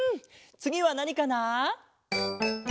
つぎはなにかな？